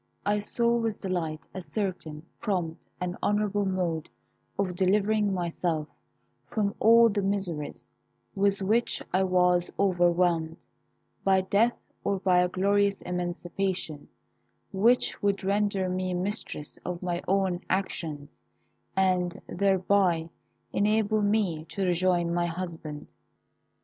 I saw with delight a certain, prompt, and honourable mode of delivering myself from all the miseries with which I was overwhelmed, by death or by a glorious emancipation, which would render me mistress of my own actions, and thereby enable me to rejoin my husband.